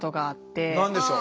何でしょう？